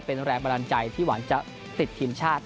เป็นแรงบันดาลใจที่หวังจะติดทีมชาติ